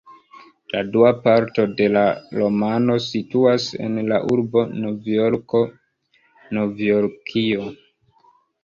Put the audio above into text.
La dua parto de la romano situas en la urbo Novjorko, Novjorkio.